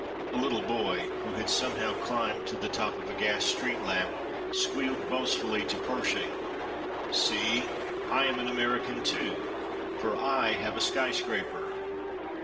A little boy who had somehow climbed to the top of a gas street lamp squealed boastfully to Pershing: "See, I am an American, too, for I have a sky scraper!"